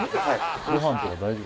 ごはんとか大丈夫？